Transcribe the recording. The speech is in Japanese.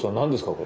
これ。